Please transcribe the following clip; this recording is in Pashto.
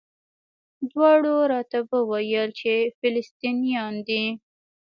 دواړو راته وویل چې فلسطینیان دي.